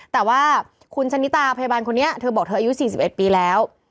แต่ว่าคุณชะนิตาพยาบาลคนนี้เธอบอกเธออายุ๔๑ปีแล้ว